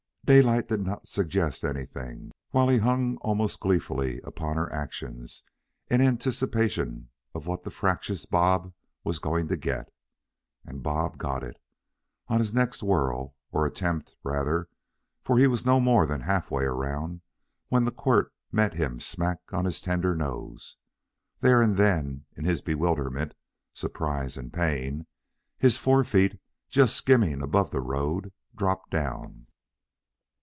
Daylight did not suggest anything, while he hung almost gleefully upon her actions in anticipation of what the fractious Bob was going to get. And Bob got it, on his next whirl, or attempt, rather, for he was no more than halfway around when the quirt met him smack on his tender nose. There and then, in his bewilderment, surprise, and pain, his fore feet, just skimming above the road, dropped down.